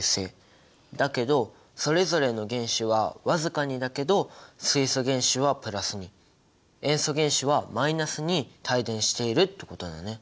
だけどそれぞれの原子はわずかにだけど水素原子はプラスに塩素原子はマイナスに帯電しているってことだね。